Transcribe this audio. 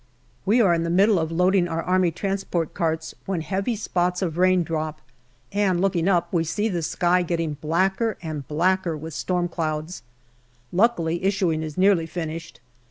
We are hi the middle of loading our A.T. carts when heavy spots of rain drop, and looking up, we see the sky getting blacker and blacker with storm clouds. Lucidly, issuing is nearly finished.